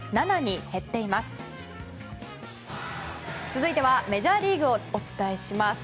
続いてはメジャーリーグをお伝えします。